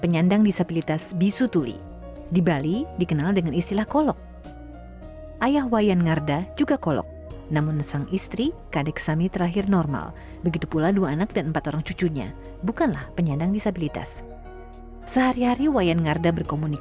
yang dikasih menggunakan bahasa isyarat